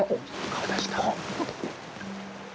顔出した。